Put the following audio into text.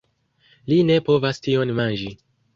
Li ne povas tion manĝi!